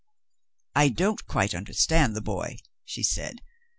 "I don't quite understand the boy," she said.